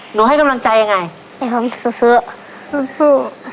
หนูให้กำลังใจยังไงให้ผมสู้สู้